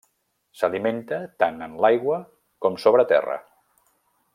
S'alimenta tant en l'aigua com sobre terra.